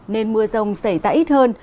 nên mưa rông xảy ra ít hơn